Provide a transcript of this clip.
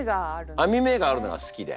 網目があるのが好きで。